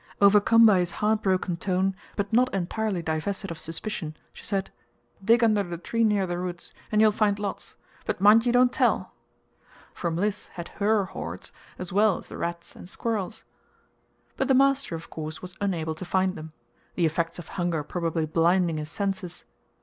Overcome by his heartbroken tone, but not entirely divested of suspicion, she said: "Dig under the tree near the roots, and you'll find lots; but mind you don't tell," for Mliss had HER hoards as well as the rats and squirrels. But the master, of course, was unable to find them; the effects of hunger probably blinding his senses.